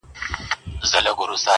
اشو ښه ده که گله، مه يوه ووينې مه بله.